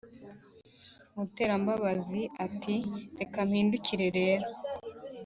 Muterambabazi ati"rekampindukire rero